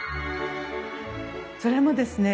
それもですね